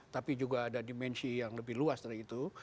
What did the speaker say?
tapi juga ada dimensi yang lebih luas dari itu